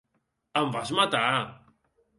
Em vas matar.